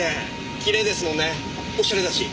きれいですもんねおしゃれだし。